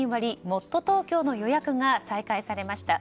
もっとＴｏｋｙｏの予約が再開されました。